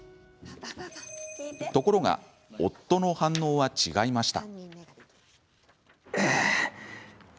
ところが夫の反応は違いました。